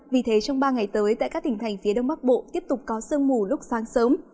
vì thế trong ba ngày tới tại các tỉnh thành phía đông bắc bộ tiếp tục có sương mù lúc sáng sớm